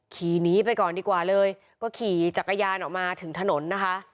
ขี่หนีไปก่อนดีกว่าเลยก็ขี่จักรยานออกมาถึงถนนนะคะ